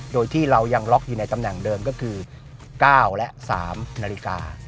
โดยที่เรายังล็อคอยู่ทำแบบที่เดิมก็คือเวลา๙และ๓นาฬิกา